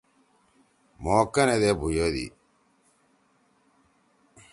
مھو کنے دے بُھویُودی۔